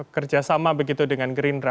kerjasama begitu dengan gerindra